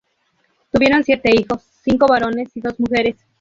Tuvieron siete hijos, cinco varones y dos mujeres.